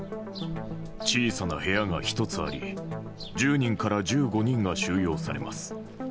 小さな部屋が１つあり１０人から１５人が収容されます。